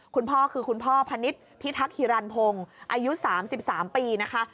คุณพ่อคือคุณพ่อพนิษฐ์พิทักษิรันพงศ์อายุ๓๓ปีนะคะ